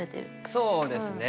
そうですね。